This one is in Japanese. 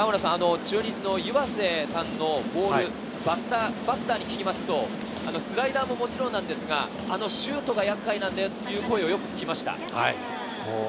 中日の岩瀬さんのボール、バッターに聞くと、スライダーももちろんなんですが、シュートが厄介なんだよという声をよく聞きました。